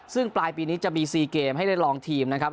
ซึ่งปลายปีนี้จะมี๔เกมให้ได้ลองทีมนะครับ